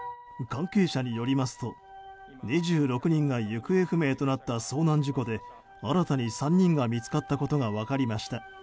関係者によりますと２６人が行方不明となった遭難事故で新たに３人が見つかったことが分かりました。